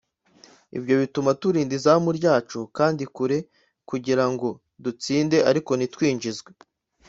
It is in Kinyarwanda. ibyo bituma turinda izamu ryacu kandi kure kugira ngo dutsinde ariko ntitwinjizwe